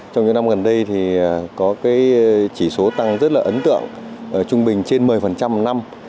trong những năm gần đây có chỉ số tăng rất ấn tượng trung bình trên một mươi năm